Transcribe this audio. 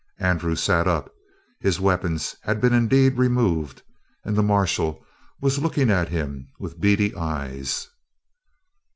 Andrew sat up. His weapons had been indeed removed, and the marshal was looking at him with beady eyes.